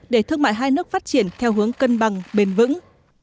để thương mại hai nước phát triển theo hướng cân bằng bền vững